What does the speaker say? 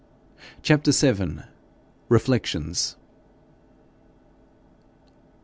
CHAPTER VII. REFLECTIONS.